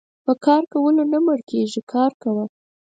په کار کولو نه مړکيږي کار کوه .